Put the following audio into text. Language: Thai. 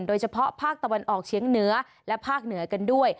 โดยเฉพาะภาคตะวันออกเฉียงเหนือและภาคเหนือกันด้วย